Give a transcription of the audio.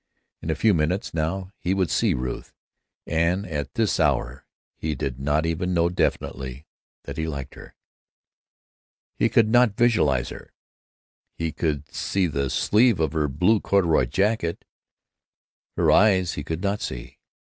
In a few minutes, now, he would see Ruth. And at this hour he did not even know definitely that he liked her. He could not visualize her. He could see the sleeve of her blue corduroy jacket; her eyes he could not see.